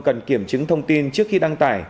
cần kiểm chứng thông tin trước khi đăng tải